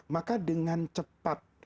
maka dengan cepat